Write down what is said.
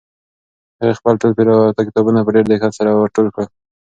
هغې خپل ټول پراته کتابونه په ډېر دقت سره ور ټول کړل.